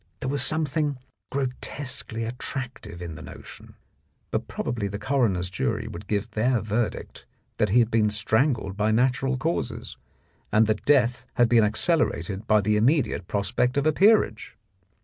There was something gro tesquely attractive in the notion, but probably the coroner's jury would give their verdict that he had been strangled by natural causes, and that death had been accelerated by the immediate prospect of a peerage.